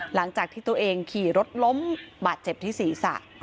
หลังจากที่ตัวเองขี่รถล้มบาดเจ็บที่ศีรษะ